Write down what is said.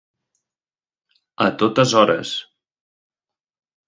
A totes hores.